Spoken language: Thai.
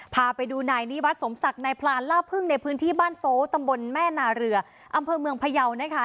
พาไปดูนายนิวัตรสมศักดิ์นายพลานล่าพึ่งในพื้นที่บ้านโซตำบลแม่นาเรืออำเภอเมืองพยาวนะคะ